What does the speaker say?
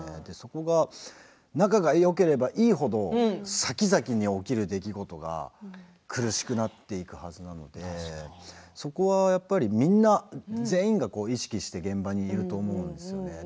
そこが仲がよければいいほどさきざきに起きる出来事が苦しくなっていくはずなのでそこはやっぱりみんな全員が意識して現場にいるところなんです。